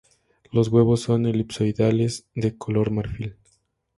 Los huevos son elipsoidales de color marfil.